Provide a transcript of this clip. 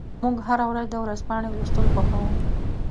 موږ هره ورځ د ورځپاڼې لوستل خوښوو.